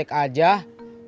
tukang ojek juga manusia pok